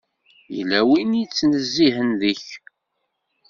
Yella win i d-ittnezzihen deg-k.